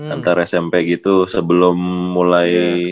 antara smp gitu sebelum mulai